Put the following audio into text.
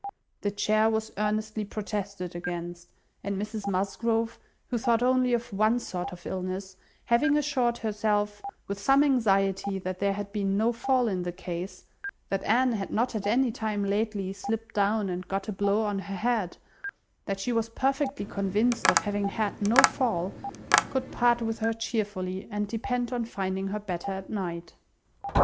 The chair was earnestly protested against, and Mrs Musgrove, who thought only of one sort of illness, having assured herself with some anxiety, that there had been no fall in the case; that Anne had not at any time lately slipped down, and got a blow on her head; that she was perfectly convinced of having had no fall; could part with her cheerfully, and depend on finding her better at night.